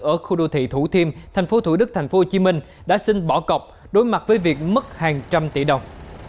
ở khu đô thị thủ thiêm tp thủ đức tp hcm đã xin bỏ cọc đối mặt với việc mất hàng trăm tỷ đồng